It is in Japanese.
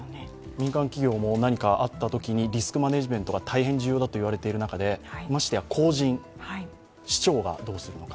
民間企業も何かあったときにリスクマネジメントが大変大事だと言われている中で大変重要だと言われている中で、ましてや公人、市長がどうするのか。